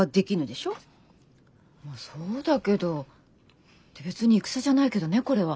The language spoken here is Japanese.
まぁそうだけど別に戦じゃないけどねこれは。